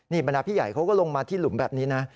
บรรดาพี่ใหญ่เขาก็ลงมาที่หลุมแบบนี้นะ